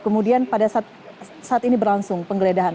kemudian pada saat ini berlangsung penggeledahan